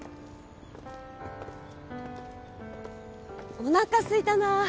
おなかすいたな。